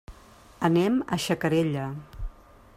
Anem a Xacarella.